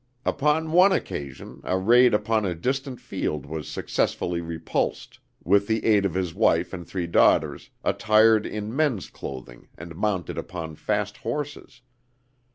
Upon one occasion, a raid upon a distant field was successfully repulsed, with the aid of his wife and three daughters, attired in men's clothing and mounted upon fast horses.